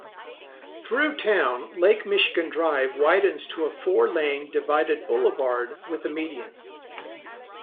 Through town, Lake Michigan Drive widens to a four-lane divided boulevard with a median.